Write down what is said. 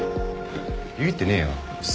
ビビってねえよ。